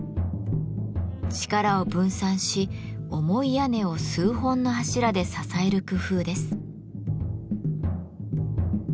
力を分散し重い屋根を数本の柱で支える工夫です。